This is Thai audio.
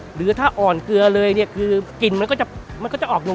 หรือถ้าอ่อนเกลือเลยเนี่ยคือกลิ่นมันก็จะออกโน่น